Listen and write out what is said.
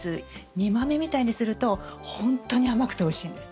煮豆みたいにするとほんとに甘くておいしいんです。